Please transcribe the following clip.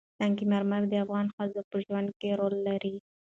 سنگ مرمر د افغان ښځو په ژوند کې رول لري.